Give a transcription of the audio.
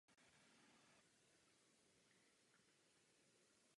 Profesí byl advokátem v Košicích.